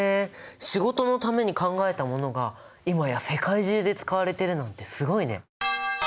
仕事のために考えたものが今や世界中で使われてるなんてすごいね！